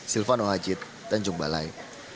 silvano hacit tanjung balai